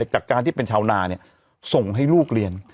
จากการที่เป็นชาวนาส่งให้ลูกเรียน